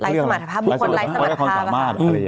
บุคอนไลท์สมาธพาพบุคอนไลท์ความสามารถ